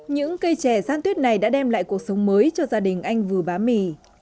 những cây trẻ sáng tuyết này đã đem lại cuộc sống mới cho gia đình anh vừa bám mì